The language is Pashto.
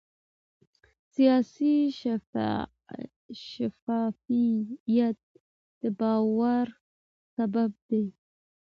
سیاسي شفافیت د باور سبب دی